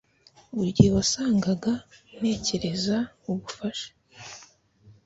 Buri gihe wasangaga ntekereza ubufasha